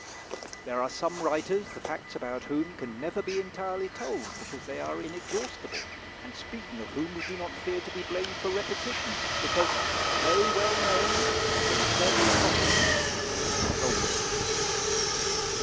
There are some writers the facts about whom can never be entirely told, because they are inexhaustible, and speaking of whom we do not fear to be blamed for repetition, because, though well known, they furnish topics which never weary.